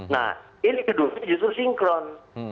nah ini kedua duanya justru sinkron